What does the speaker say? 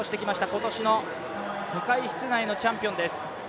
今年の世界室内のチャンピオンです。